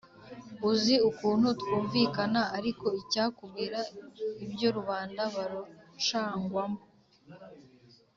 uzi ukuntu twumvikana ariko icyakubwira ibyo rubanda barocangwamo.